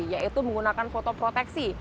yaitu menggunakan fotoproteksi